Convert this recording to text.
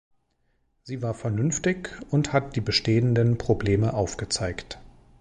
Sie war vernünftig und hat die bestehenden Probleme aufgezeigt.